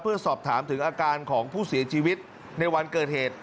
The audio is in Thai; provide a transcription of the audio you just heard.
เพื่อสอบถามถึงอาการของผู้เสียชีวิตในวันเกิดเหตุ